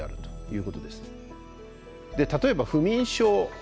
例えば不眠症。